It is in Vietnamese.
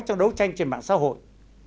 trong đấu tranh trên mạng xã hội